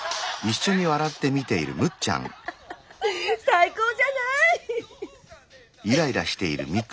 最高じゃない？